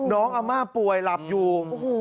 น้องอำมาตย์ป่วยหลับอยู่